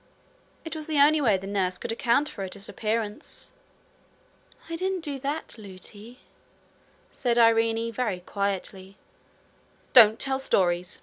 It was the only way the nurse could account for her disappearance. 'I didn't do that, Lootie,' said Irene, very quietly. 'Don't tell stories!'